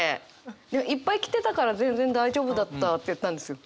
でもいっぱい着てたから全然大丈夫だったって言ったんですよ。